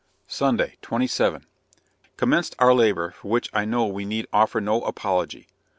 Sunday, 27 Commenced our labor, for which I know we need offer no apology.